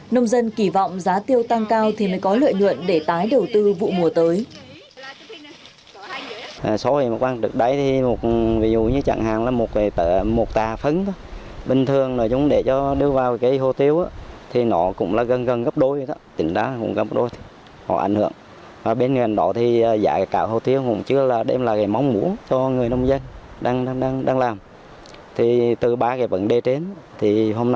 nông dân kỳ vọng giá tiêu tăng cao thì mới có lợi nhuận để tái đầu tư vụ mùa tới